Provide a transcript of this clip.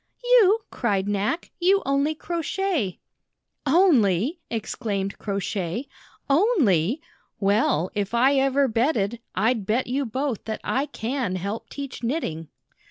"You?" cried Knack. "You only crochet!" "Only?" exclaimed Crow Shay. "Only? WeU, J7011 1 if I ever betted, I'd bet you both that I can help teach knitting."